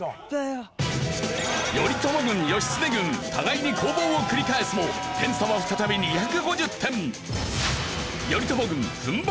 頼朝軍義経軍互いに攻防を繰り返すも点差は再び２５０点。